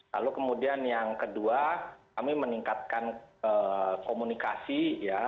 lalu kemudian yang kedua kami meningkatkan komunikasi ya